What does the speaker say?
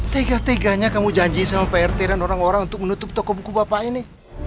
tega teganya kamu janji sama prt dan orang orang untuk menutup toko buku bapak ini